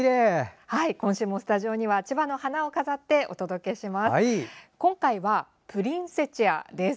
今週もスタジオには千葉の花を飾ってお届けします。